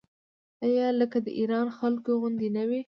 آیا لکه د ایران خلکو غوندې نه وي؟